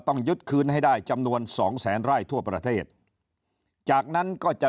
ยึดคืนให้ได้จำนวนสองแสนไร่ทั่วประเทศจากนั้นก็จะ